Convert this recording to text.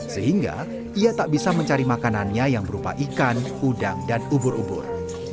sehingga ia tak bisa mencari makanannya yang berupa ikan udang dan ubur ubur